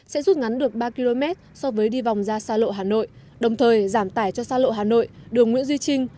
sẽ rút ngắn được ba km so với đi vòng ra xa lộ hà nội đồng thời giảm tải cho xa lộ hà nội đường nguyễn duy trinh